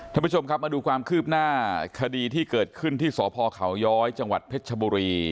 ท่านผู้ชมครับมาดูความคืบหน้าคดีที่เกิดขึ้นที่สพเขาย้อยจังหวัดเพชรชบุรี